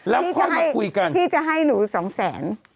รับความมาคุยกันพี่จะให้หนูสองแสน